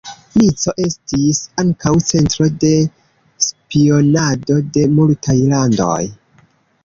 Nico estis ankaŭ centro de spionado de multaj landoj.